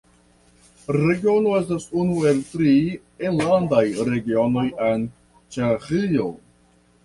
Regiono estas unu el tri enlandaj Regionoj en Ĉeĥio.